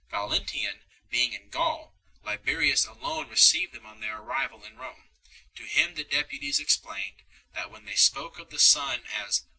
Valentinian being in Gaul, Liberius alone received them on their arrival in Rome. | To him the deputies explained, that when they spoke of 1 Sozomen vi.